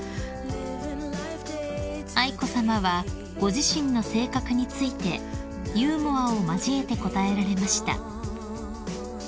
［愛子さまはご自身の性格についてユーモアを交えて答えられました］